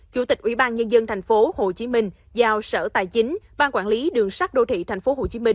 chủ tịch ủy ban nhân dân tp hcm giao sở tài chính ban quản lý đường sắt đô thị tp hcm